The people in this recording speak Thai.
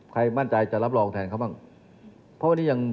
ใครมั่นใจจะรับรองแทนเขาหรือยัง